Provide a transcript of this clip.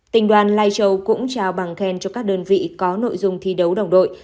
tỉnh đoàn lai châu cũng trao bằng khen cho các đơn vị có nội dung thi đấu đồng đội